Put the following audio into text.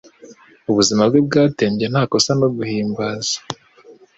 ubuzima bwe bwatembye nta kosa no guhimbaza